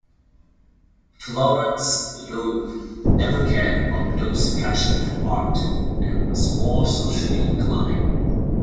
Florence Dove never cared about Dove's passion for art, and was more socially inclined.